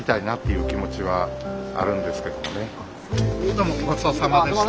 どうもごちそうさまでした。